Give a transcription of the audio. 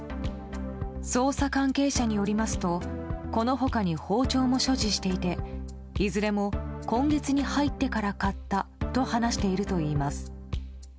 捜査関係者によりますとこの他に包丁も所持していていずれも今月に入ってから買ったと話しているといいます。